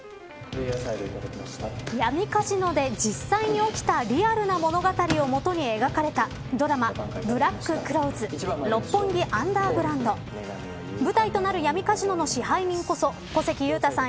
闇カジノで実際に起きたリアルな物語を基に描いたドラマブラック／クロウズｒｏｐｐｏｎｇｉｕｎｄｅｒｇｒｏｕｎｄ舞台となる闇カジノの支配人こと小関裕太さん